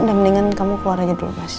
udah mendingan kamu keluar aja dulu mas